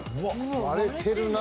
割れてるな。